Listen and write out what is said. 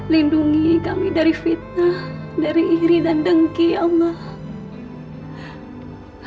lindungi kami dari fitnah dari iri dan dengki allah